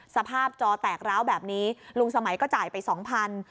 สภาพจอแตกร้าวแบบนี้ลุงสมัยก็จ่ายไป๒๐๐๐บาท